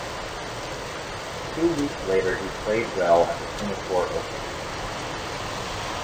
Two weeks later he played well at the Singapore Open.